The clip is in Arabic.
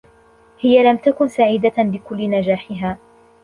هي لم تكُن سعيدة لكل نجاحِها.